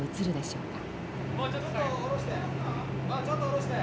ちょっと下ろして。